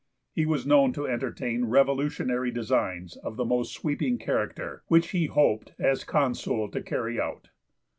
He was known to entertain revolutionary designs of the most sweeping character, which he hoped as Consul to carry out.